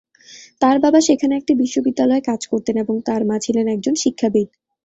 তার বাবা সেখানে একটি বিশ্ববিদ্যালয়ে কাজ করতেন এবং তার মা ছিলেন একজন শিক্ষাবিদ।